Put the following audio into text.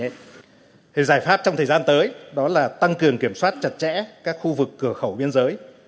giải pháp trong thời gian tới đó là tăng cường kiểm soát chặt chẽ các khu vực cửa khẩu biên giới